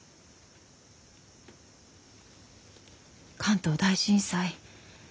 関東大震災